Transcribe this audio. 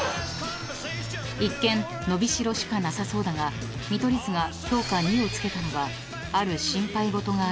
［一見のびしろしかなさそうだが見取り図が評価２を付けたのはある心配事があるから］